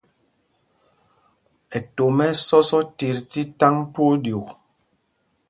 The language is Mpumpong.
Ɛtom ɛ́ ɛ́ sɔs otit tí taŋ twóó ɗyûk.